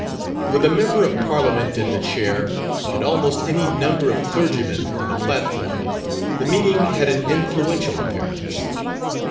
With a Member of Parliament in the chair, and almost any number of clergymen on the platform, the meeting had an influential appearance.